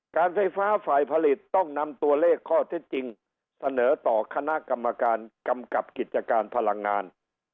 การไฟฟ้าฝ่ายผลิตต้องนำตัวเลขข้อเท็จจริงเสนอต่อคณะกรรมการกำกับกิจการพลังงาน